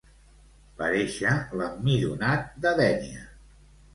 Parèixer l'emmidonat de Dénia.